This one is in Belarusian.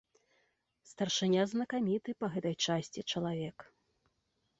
Старшыня знакаміты па гэтай часці чалавек.